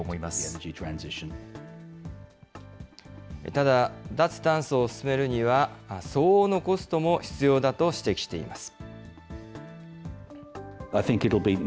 ただ、脱炭素を進めるには、相応のコストも必要だと指摘しています。